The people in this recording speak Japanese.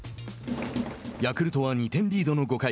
ヤクルトは２点リードの５回。